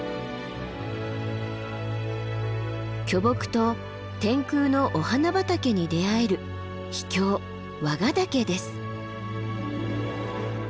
巨木と天空のお花畑に出会える秘境和賀岳です。